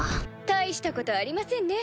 大したことありませんね